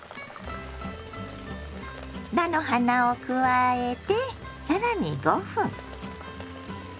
菜の花を加えて更に５分。